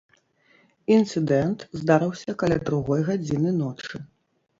Інцыдэнт здарыўся каля другой гадзіны ночы.